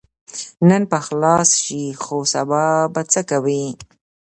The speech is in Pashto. نن به خلاص شې خو سبا به څه کوې؟